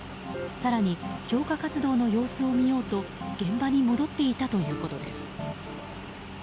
更に、消火活動の様子を見ようと現場に戻っていたということです。